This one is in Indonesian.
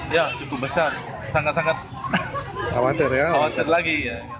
ya cukup besar sangat sangat khawatir ya khawatir lagi